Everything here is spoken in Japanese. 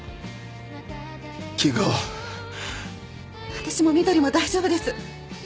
私も翠も大丈夫です。